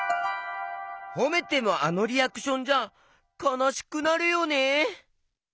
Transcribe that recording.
ほめてもあのリアクションじゃかなしくなるよね！